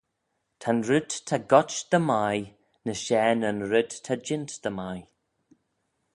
Ta'n red ta goit dy mie ny share na'n red ta jeant dy mie